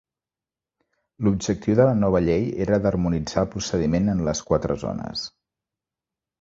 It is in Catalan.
L'objectiu de la nova llei era d'harmonitzar el procediment en les quatre zones.